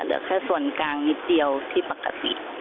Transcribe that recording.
เหลือแค่ส่วนกลางนิดเดียวที่ปกติ